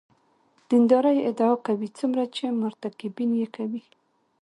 دیندارۍ ادعا کوي څومره چې مرتکبین یې کوي.